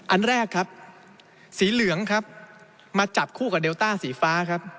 อันแรกครับสีเหลืองครับมาจับคู่กับเดลต้าสีฟ้าครับ